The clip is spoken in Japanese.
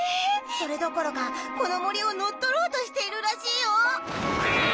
それどころかこのもりをのっとろうとしているらしいよ。